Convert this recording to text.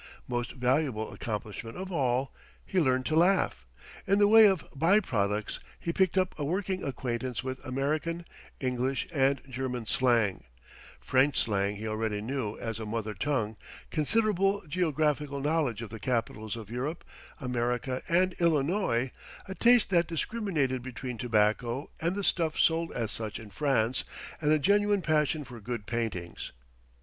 Most valuable accomplishment of all, he learned to laugh. In the way of by products he picked up a working acquaintance with American, English and German slang French slang he already knew as a mother tongue considerable geographical knowledge of the capitals of Europe, America and Illinois, a taste that discriminated between tobacco and the stuff sold as such in France, and a genuine passion for good paintings.